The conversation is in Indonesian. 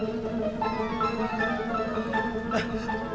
assalamualaikum pak aji